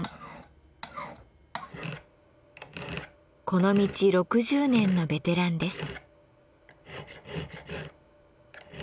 この道６０年のベテランです。